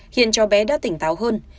hiện cho bé đã tỉnh táo hơn